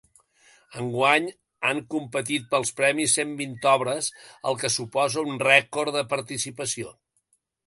Enguany han competit pels premis cent vint obres, el que suposa un rècord de participació.